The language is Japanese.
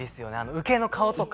受けの顔とか。